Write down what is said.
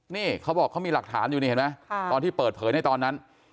นี่เขาบอกเขามีหลักฐานอยู่นี่เห็นไหมตอนที่เปิดเผยในตอนนั้น